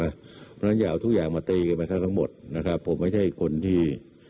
เพราะฉะนั้นอย่าเอาทุกอย่างมาเตรียมไปทั้งทั้งหมดนะคะผมไม่ใช่คนที่